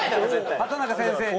畠中先生に。